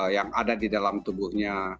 yang ada di dalam tubuhnya